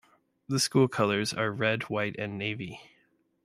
The school colors are Red, White, and Navy.